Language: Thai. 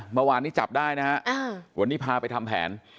เมื่อวานนี้จับได้นะฮะวันนี้พาไปทำแผน